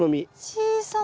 小さな。